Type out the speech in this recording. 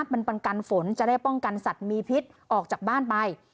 มันประกันฝนจะได้ป้องกันสัตว์มีพิษออกจากบ้านไป